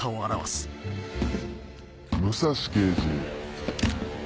武蔵刑事。